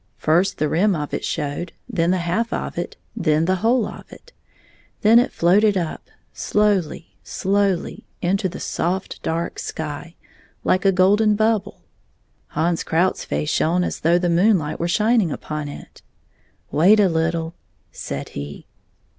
First the rim of it showed, then the half of it, then the whole of it. Then it floated up, slowly, slowly, into the soft, dark sky, like a golden bub ble. Hans Krout's face shone as though the moonhght were shining upon it. "Wait a little," said he.